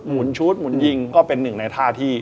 หุนชุดหมุนยิงก็เป็นหนึ่งในท่าที่